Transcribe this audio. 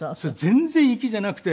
全然粋じゃなくて。